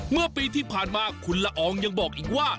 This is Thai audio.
เมื่อปีที่ผ่านมาคุณละอองยังบอกอีกว่า